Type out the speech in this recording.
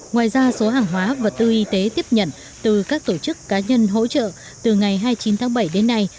ngoài ra số hàng hóa vật tư y tế tiếp nhận từ các tổ chức cá nhân hỗ trợ từ ngày hai mươi chín tháng bảy đến nay